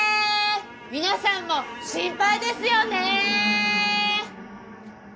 皆さんも心配ですよね！